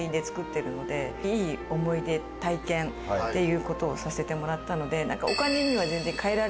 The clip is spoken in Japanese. いい思い出。っていうことをさせてもらったので。